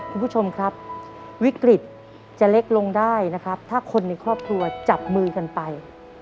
ควบคุณครับที่วิกฤตชาใครตัวจับมือกันปลาย